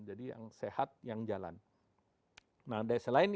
jadi yang sehat yang jalan